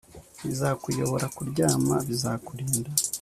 bizakuyobora kuryama bizakurinda